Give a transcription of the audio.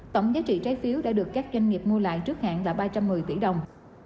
tổng giá trị trái phiếu đã được các doanh nghiệp mua lại trước hạn là ba trăm một mươi tỷ đồng